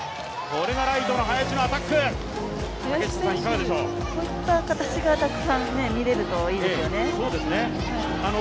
こういった形がたくさん見られるといいですよね。